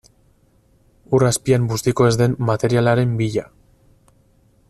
Ur azpian bustiko ez den materialaren bila.